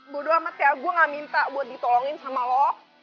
bodoh sama kayak gue gak minta buat ditolongin sama lo